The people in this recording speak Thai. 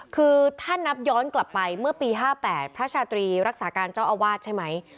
คือถ้านับย้อนกลับไปเมื่อปี๕๘พระชาตรีรักษาการเจ้าอาวาสใช่ไหม